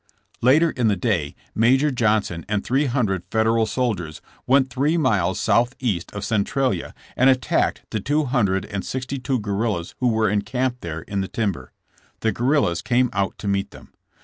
Later in the day, Major Johnson and three hun dre(i Federal soldiers went three miles southeast of 34 J^SSB JAMES. Centralia and attacked the two hundred and sixty two guerrillas who were encamped there in the timber. The guerrillas came out to meet them.